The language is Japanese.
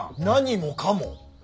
何もかも。